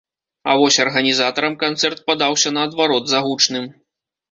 А вось арганізатарам канцэрт падаўся наадварот загучным.